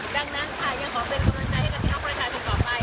ดังนั้นค่ะยังขอเป็นกำลังใจให้กับพี่น้องประชาชนต่อไป